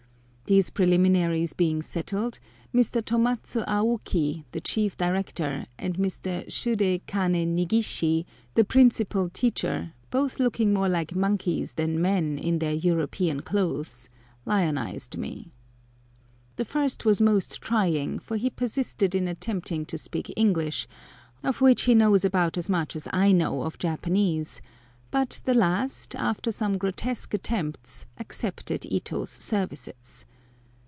These preliminaries being settled, Mr. Tomatsu Aoki, the Chief Director, and Mr. Shude Kane Nigishi, the principal teacher, both looking more like monkeys than men in their European clothes, lionised me. The first was most trying, for he persisted in attempting to speak English, of which he knows about as much as I know of Japanese, but the last, after some grotesque attempts, accepted Ito's services.